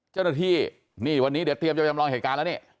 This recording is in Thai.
เจ้าหน้าที่นี่วันนี้เดี๋ยวเตรียมจะจำลองเหตุการณ์แล้วนี่